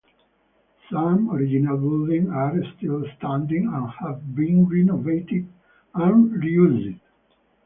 Some original building are still standing and have been renovated and reused.